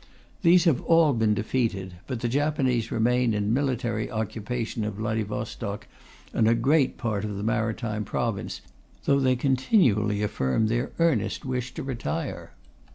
These have all been defeated, but the Japanese remain in military occupation of Vladivostok and a great part of the Maritime Province, though they continually affirm their earnest wish to retire.